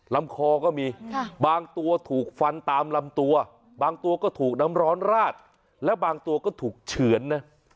ลำคอก็มีบางตัวถูกฟันตามลำตัวบางตัวก็ถูกน้ำร้อนราดและบางตัวก็ถูกเฉือนนะ